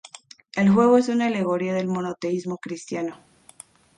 El juego es una alegoría del monoteísmo cristiano.